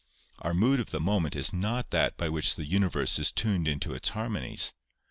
Our mood of the moment is not that by which the universe is tuned into its harmonies.